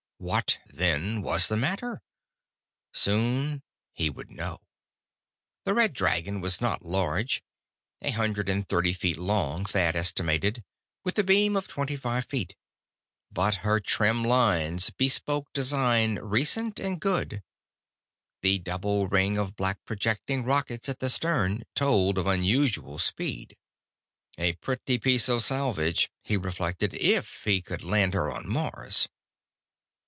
What, then, was the matter? Soon he would know. The Red Dragon was not large. A hundred and thirty feet long, Thad estimated, with a beam of twenty five feet. But her trim lines bespoke design recent and good; the double ring of black projecting rockets at the stern told of unusual speed. A pretty piece of salvage, he reflected, if he could land her on Mars.